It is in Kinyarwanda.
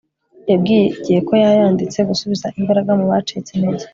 yabwiye igihe ko yayanditse gusubiza imbaraga mu bacitse intege